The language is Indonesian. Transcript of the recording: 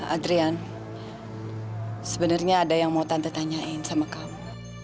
adrian sebenarnya ada yang mau tanda tanyain sama kamu